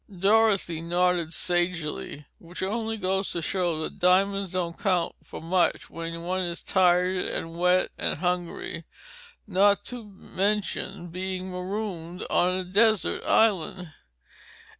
Dorothy nodded sagely. "Which only goes to show that diamonds don't count for much when one is tired and wet and hungry, not to mention being marooned on a desert island!"